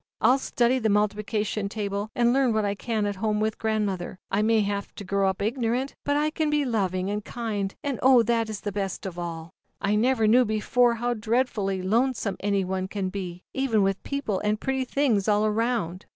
I'll study the multiplication table, and learn w r hat I can at home with grandmother. I may O J have to grow up ignorant, but I can be loving and kind, and oh, that is best of all! I never knew before how dreadfully i i l onesome any one can be, even with j j Deople and pretty things all around.